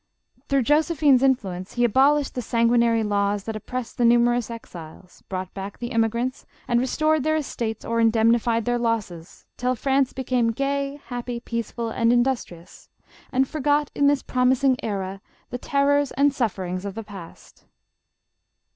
Through Josephine's influence he abolished the sanguinary laws that oppressed the numerous exiles, brought back the emigrants and re stored their estates or indemnified their losses, till France became gay, happy, peaceful, and industrious, and forgot in this promising era, the terrors and suffer ings of the past.